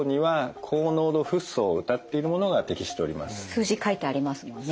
数字書いてありますもんね。